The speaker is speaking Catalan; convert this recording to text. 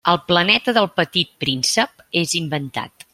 El planeta del Petit Príncep és inventat.